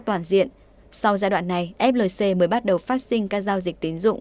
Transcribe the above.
toàn diện sau giai đoạn này flc mới bắt đầu phát sinh các giao dịch tiến dụng